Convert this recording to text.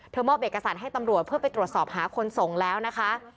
มอบเอกสารให้ตำรวจเพื่อไปตรวจสอบหาคนส่งแล้วนะคะ